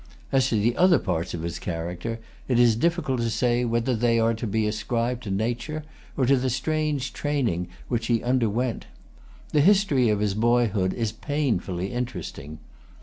As to the other parts of his character, it is difficult to say whether they are to be ascribed to nature, or to the strange training which he underwent. The history of his boyhood is painfully interesting.